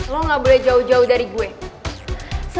lo gak boleh jauh jauh dari gue